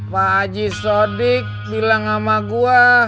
pak haji sodik bilang sama gua